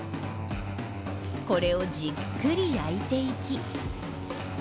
これをじっくり焼いていき